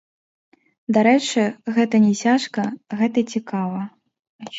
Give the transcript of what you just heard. Дарэчы, гэта не цяжка, гэта цікава.